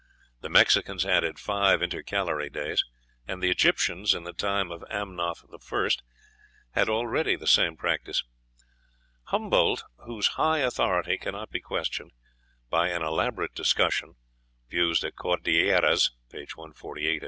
The Mexicans added five intercalary days; and the Egyptians, in the time of Amunoph I., had already the same practice. Humboldt, whose high authority cannot be questioned, by an elaborate discussion ("Vues des Cordilleras," p. 148 et.